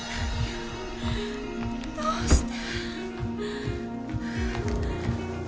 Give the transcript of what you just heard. どうして？